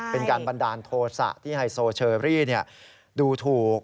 เป็นการบันดาลโทษะที่ไฮโซเชอรี่ดูถูก